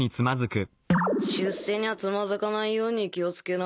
出世にゃつまずかないように気をつけな。